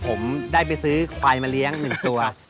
ผมได้ไปซื้อควายมาเลี้ยง๑ตัว